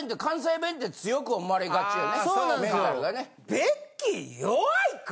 ベッキー弱いか？